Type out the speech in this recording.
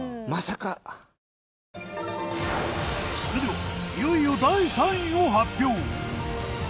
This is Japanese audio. それではいよいよ第３位を発表。